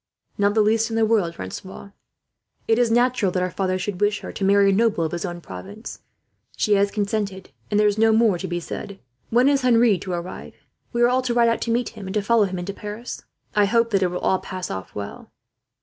"Not the least in the world, Francois. It is natural that her father should wish her to marry a noble of his own province. She has consented, and there is no more to be said. "When is Henri to arrive? We are all to ride out to meet him, and to follow him into Paris. I hope that it will all pass off well."